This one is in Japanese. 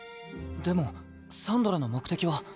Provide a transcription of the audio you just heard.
でもサンドラの目的は。